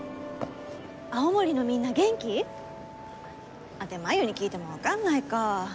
青森のみんな元気？って真夢に聞いてもわかんないか。